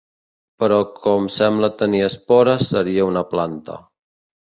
Però com sembla tenir espores seria una planta.